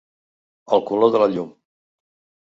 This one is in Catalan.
El color de la llum.